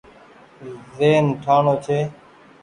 زهين ٺآڻو ڇي۔